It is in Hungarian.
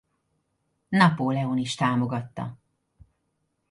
Napóleon is támogatta.